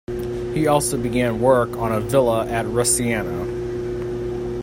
He also began work on a villa at Rusciano.